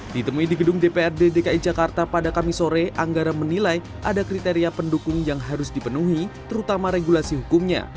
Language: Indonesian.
ditemui di gedung dprd dki jakarta pada kamis sore anggara menilai ada kriteria pendukung yang harus dipenuhi terutama regulasi hukumnya